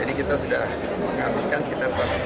jadi kita sudah menghabiskan sekitar satu ratus dua puluh hari